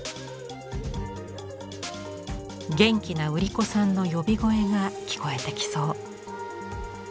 元気な売り子さんの呼び声が聞こえてきそう。